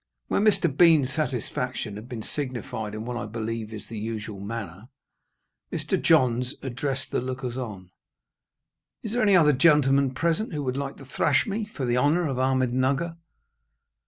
When Mr. Bean's satisfaction had been signified in what, I believe, is the usual manner, Mr. Johns addressed the lookers on: "Is there any other gentleman present who would like to thrash me for the honour of Ahmednugger?"